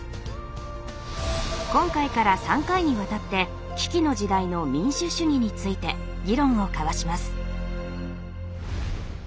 今回から３回にわたって危機の時代の「民主主義」について議論を交わします。